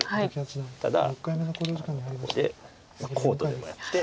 ただここでこうとでもやって。